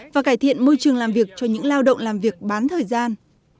và cải thiện môi trường làm việc cho những lao động làm việc bán thời gian